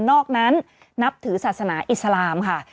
นอกนั้นนับถือศาสนาอิสลามค่ะ